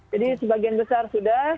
jadi sebagian besar sudah